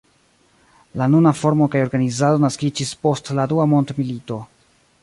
La nuna formo kaj organizado naskiĝis post la Dua mondmilito.